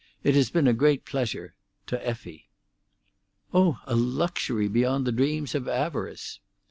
It has been a great pleasure—to Effie." "Oh, a luxury beyond the dreams of avarice."